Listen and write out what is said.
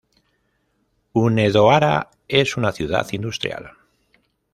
Hunedoara es una ciudad industrial.